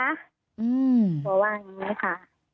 ก็บอกว่าอย่างนี้ค่ะ